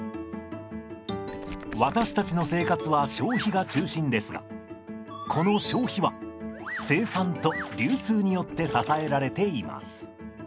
私たちの生活は消費が中心ですがこの消費は生産と流通によって支えられています。